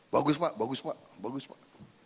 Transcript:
bagus pak bagus pak